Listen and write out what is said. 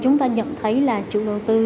chúng ta nhận thấy là chủ đầu tư